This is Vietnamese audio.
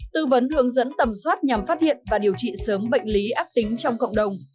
tư vấn hướng dẫn tầm soát nhằm phát hiện và điều trị sớm bệnh lý ác tính trong cộng đồng